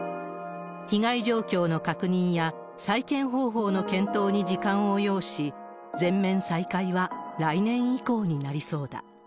被害状況の確認や再建方法の検討に時間を要し、全面再開は来年以降になりそうだ。